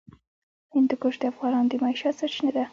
هندوکش د افغانانو د معیشت سرچینه ده.